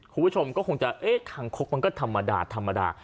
คุณผู้ชมก็คงจะเอ๊ะคางคกมันก็ธรรมดาธรรมดา